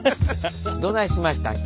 どないしましたん？